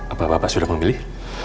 apa apa sudah memilih